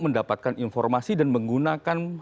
mendapatkan informasi dan menggunakan